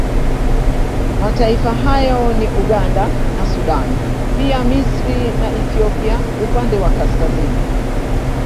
Mataifa hayo ni Uganda na Sudan pia Misri na Ethiopia upande wa kaskazini